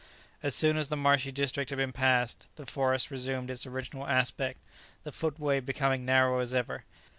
As soon as the marshy district had been passed, the forest resumed its original aspect, the footway becoming narrow as ever.